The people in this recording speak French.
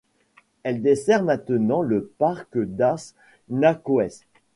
Elle dessert maintenant le Parque das Nações.